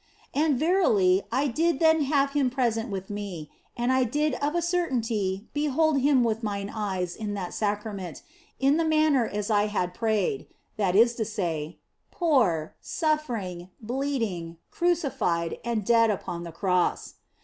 And verily, I did then have Him present with me, and I did of a certainty behold Him with mine eyes in that 224 THE BLESSED ANGELA Sacrament in the manner as I had prayed that is to say, poor, suffering, bleeding, crucified, and dead upon the Cross.